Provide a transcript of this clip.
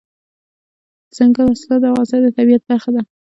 دځنګل حاصلات د افغانستان د طبیعت برخه ده.